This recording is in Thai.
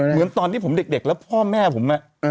เหมือนตอนที่ผมเด็กแล้วพ่อแม่ผม